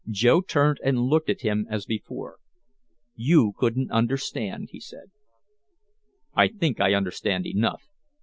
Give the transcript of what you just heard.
Joe turned and looked at him as before. "You couldn't understand," he said. "I think I understand enough."